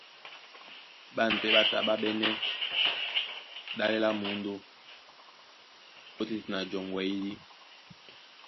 Ɓân pɛ́ ɓá tá ɓá ɓɛ́nɛ́ ɗále lá mǔndó óteten a joŋgo a eyídí.